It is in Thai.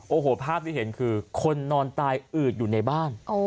โอ้โหภาพที่เห็นคือคนนอนตายอืดอยู่ในบ้าน